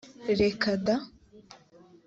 reka da!